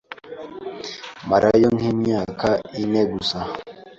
marayo nk’imyaka ine gusa